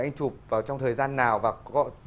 anh chụp vào trong thời gian nào và gọi